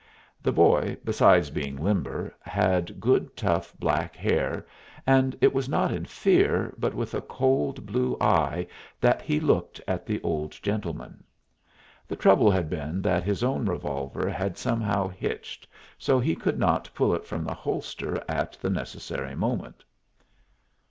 The boy, besides being limber, had good tough black hair, and it was not in fear, but with a cold blue eye, that he looked at the old gentleman. The trouble had been that his own revolver had somehow hitched, so he could not pull it from the holster at the necessary moment.